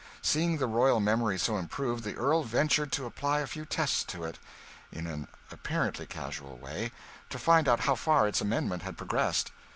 Seeing the royal memory so improved, the Earl ventured to apply a few tests to it, in an apparently casual way, to find out how far its amendment had progressed.